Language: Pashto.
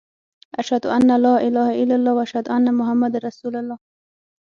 اشهد ان لا اله الا الله و اشهد ان محمد رسول الله.